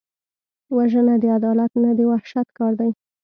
وژنه د عدالت نه، د وحشت کار دی